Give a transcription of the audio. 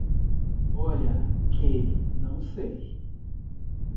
Olha que não sei.